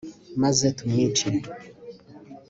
maze tumwice